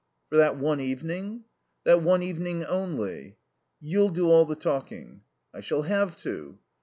"For that one evening?" "That one evening only." "You'll do all the talking?" "I shall have to."